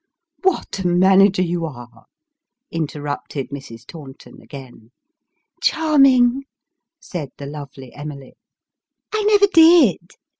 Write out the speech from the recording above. " What a manager you are 1 " interrupted Mrs. Taunton again. " Charming !" said the lovely Emily. " I never did